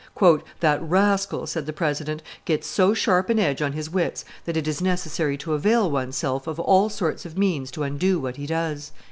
"That rascal," said the president, "gets so sharp an edge on his wits, that it is necessary to avail one's self of all sorts of means to undo what he does."